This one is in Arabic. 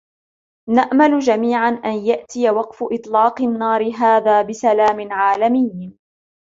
نأمل جميعًا أن يأتي وقف إطلاق النار هذا بسلام عالمي.